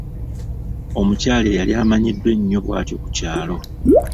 Omukyala eyali amanyiddwa ennyo bw'atyo ku kyalo.